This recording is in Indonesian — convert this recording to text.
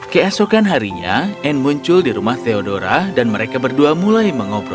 keesokan harinya anne muncul di rumah theodora dan mereka berdua mulai mengobrol